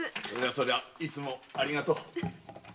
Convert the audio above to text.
それはいつもありがとう。